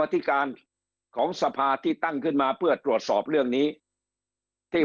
ที่การของสภาที่ตั้งขึ้นมาเพื่อตรวจสอบเรื่องนี้ที่